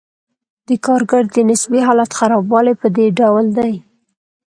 د کارګر د نسبي حالت خرابوالی په دې ډول دی